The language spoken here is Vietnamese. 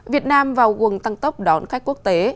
việt nam vào quần tăng tốc đón khách quốc tế